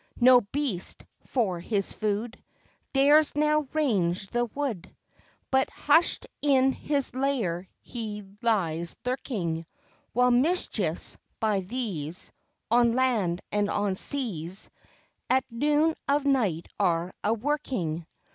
No beast, for his food, Dares now range the wood, But hush'd in his lair he lies lurking; While mischiefs, by these, On land and on seas, At noon of night are a working.